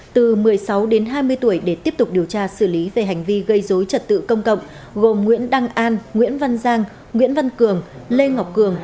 từ một mươi sáu đến hai mươi tuổi để tiếp tục điều tra xử lý về hành vi gây dối trật tự công cộng gồm nguyễn đăng an nguyễn văn giang nguyễn văn cường lê ngọc cường